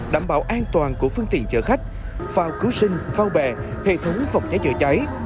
đảm bảo an toàn của phương tiện chở khách phao cứu sinh phao bè hệ thống phòng cháy chữa cháy